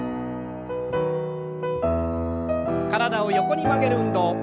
体を横に曲げる運動。